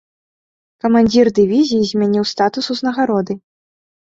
Камандзір дывізіі змяніў статус ўзнагароды.